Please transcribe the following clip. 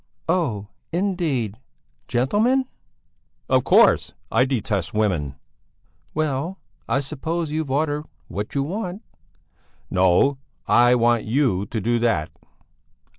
"Oh, indeed! Gentlemen?" "Of course! I detest women." "Well, I suppose you've ordered what you want?" "No, I want you to do that."